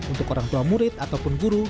untuk orang tua murid ataupun guru